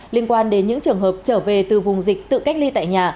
liên quan đến những trường hợp trở về từ vùng dịch tự cách ly tại nhà